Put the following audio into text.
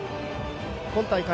今大会